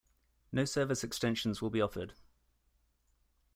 No service extensions will be offered.